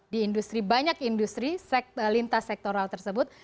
di industri banyak industri lintas sektoral tersebut